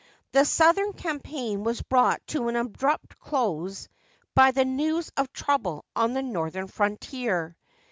The southern campaign was brought to an abrupt close by the news of trouble on the northern frontier.